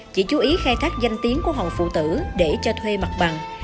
chỉ chú ý khai thác danh tiếng của hòn phụ tử để cho thuê mặt bằng